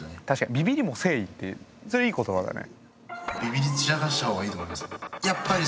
ビビりも誠意ってそれいい言葉だね。